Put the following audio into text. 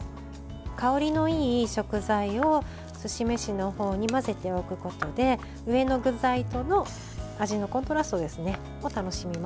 香りのいい食材をすし飯の方に混ぜておくことで上の具材との味のコントラストを楽しみます。